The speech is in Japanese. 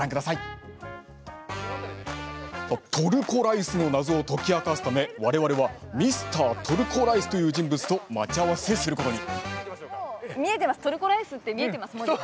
トルコライスの謎を解き明かすため、我々はミスタートルコライスという人物と待ち合わせすることに。